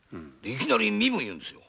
いきなり身分を言うんですよ。